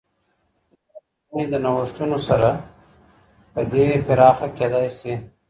دا ټولني د نوښتونو سره په دی پراخه کيدا سي.